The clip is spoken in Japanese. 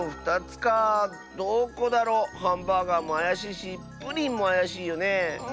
どこだろう？ハンバーガーもあやしいしプリンもあやしいよねえ。